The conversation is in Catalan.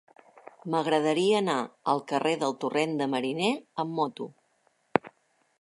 M'agradaria anar al carrer del Torrent de Mariner amb moto.